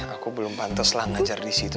aku belum pantas lah ngajar disitu